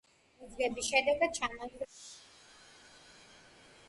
ბიძგების შედეგად ჩამოინგრა შენობების უზარმაზარი მონაკვეთები.